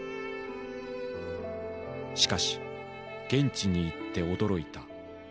しかし現地に行って驚いた。